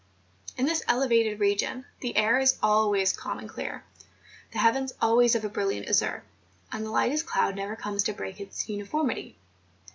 In this elevated region, the air is always calm and clear, the heavens always of a brilliant azure; and the lightest cloud never comes to break its uniformity.